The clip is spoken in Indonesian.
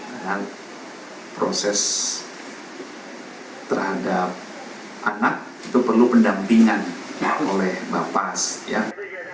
dan proses terhadap anak itu perlu pendampingan oleh bapak ketim